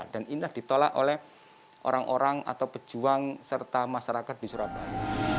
dan inilah ditolak oleh orang orang atau pejuang serta masyarakat di surabaya